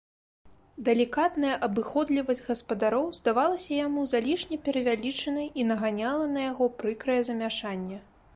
Далікатная абыходлівасць гаспадароў здавалася яму залішне перавялічанай і наганяла на яго прыкрае замяшанне.